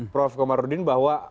prof komarudin bahwa